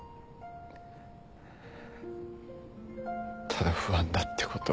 ただ不安だってこと。